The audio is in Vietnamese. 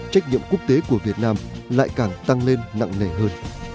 trách nhiệm quốc tế của việt nam lại càng tăng lên nặng nề hơn